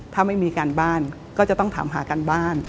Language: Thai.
ถ้าไม่มีการบ้านก็จะต้องถามหาการบ้าน